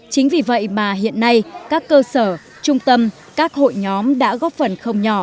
chính vì vậy mà hiện nay các cơ sở trung tâm các hội nhóm đã góp phần không nhỏ